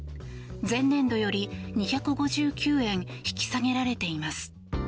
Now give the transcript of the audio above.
前年度より２５９円引き下げられています。